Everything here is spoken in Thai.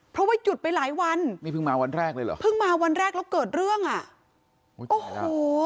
เพราะว่าหยุดไปหลายวันนี่เพิ่งมาวันแรกเลยเหรอเพิ่งมาวันแรกแล้วเกิดเรื่องอ่ะโอ้โห